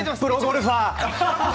プロゴルファー？